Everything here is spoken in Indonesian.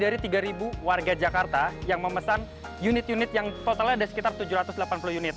dari tiga warga jakarta yang memesan unit unit yang totalnya ada sekitar tujuh ratus delapan puluh unit